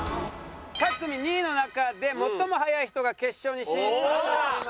各組２位の中で最も速い人が決勝に進出致します。